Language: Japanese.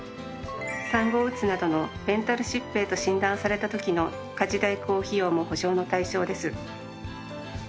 産後うつなどのメンタル疾病と診断された時の家事代行費用も補償の対象です。